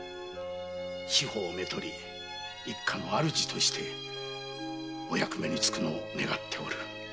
志保を妻に迎え一家の主としてお役に就く事を願っておる。